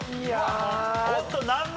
おっと難問。